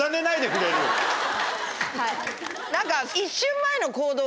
はい。